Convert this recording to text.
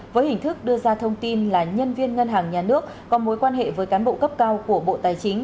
với hình thức đưa ra thông tin là nhân viên ngân hàng nhà nước có mối quan hệ với cán bộ cấp cao của bộ tài chính